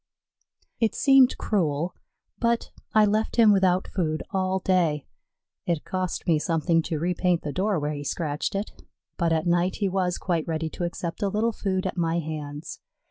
It seemed cruel, but I left him without food all day. It cost me something to repaint the door where he scratched it, but at night he was quite ready to accept a little food at my hands.